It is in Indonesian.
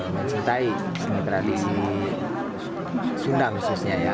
mencintai seni tradisi sunda khususnya ya